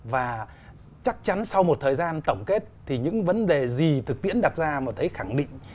và chắc chắn sau một thời gian tổng kết thì những vấn đề gì thực tiễn đặt ra mà thấy khẳng định